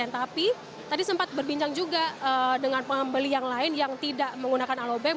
tapi tadi sempat berbincang juga dengan pembeli yang lain yang tidak menggunakan alobank